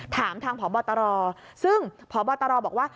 ถามทางพบตรซึ่งพบตรบอกว่า